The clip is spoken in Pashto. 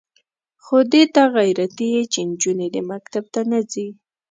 خو دې ته غیرتي یې چې نجونې دې مکتب ته نه ځي.